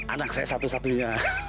anak saya satu satunya